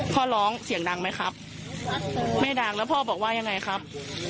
พ่อร้องเสียงดังไหมครับไม่ดังแล้วพ่อบอกว่ายังไงครับ